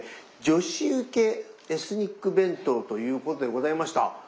「女子受けエスニック弁当」ということでございました。